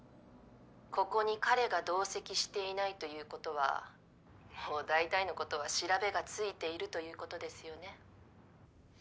ここに彼が同席していないということはもうだいたいのことは調べがついているということですよね。